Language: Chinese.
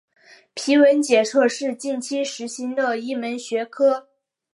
皮纹检测是近期时兴的一门学科。